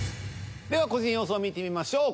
では個人予想を見てみましょう。